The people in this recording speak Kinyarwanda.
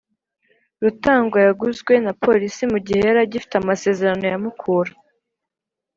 rutanga yaguzwe na polise mu gihe yari agifite amasezerano ya mukura